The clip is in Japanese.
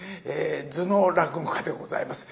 頭脳落語家でございます。